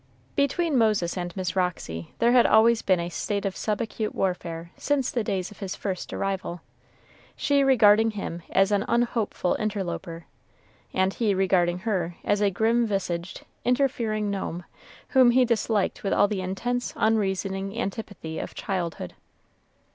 Between Moses and Miss Roxy there had always been a state of sub acute warfare since the days of his first arrival, she regarding him as an unhopeful interloper, and he regarding her as a grim visaged, interfering gnome, whom he disliked with all the intense, unreasoning antipathy of childhood.